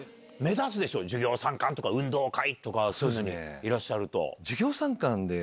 授業参観とか運動会とかそういうのにいらっしゃると。